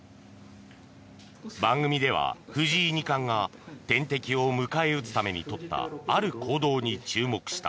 番組では藤井二冠が天敵を迎え撃つために取ったある行動に注目した。